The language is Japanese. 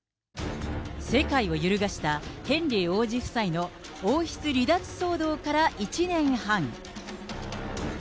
世界を揺るがしたヘンリー王子夫妻の王室離脱騒動から１年半。